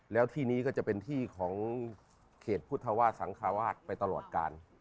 แล้วที่นี้ก็จะเป็นที่ของเขตพุทธวาสสังคาวาสไปตลอดกาล